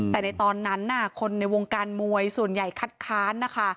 แต่ในตอนนั้นคนในวงการมวยส่วนใหญ่คัดค้านนะคะ